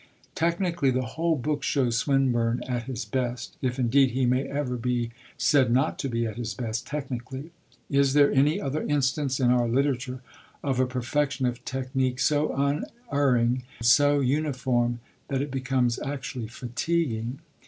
Technically the whole book shows Swinburne at his best; if, indeed, he may ever be said not to be at his best, technically. Is there any other instance in our literature of a perfection of technique so unerring, so uniform, that it becomes actually fatiguing?